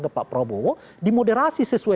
ke pak prabowo dimoderasi sesuai